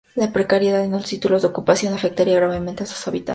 La precariedad en los títulos de ocupación afectaría gravemente a sus habitantes.